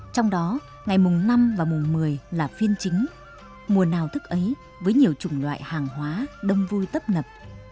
trong đó ngày mùng năm và mùng một mươi là phiên chính mùa nào thức ấy với nhiều chủng loại hàng hóa đông vui tấp nập